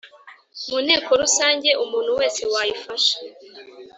mu Nteko Rusange umuntu wese wayifasha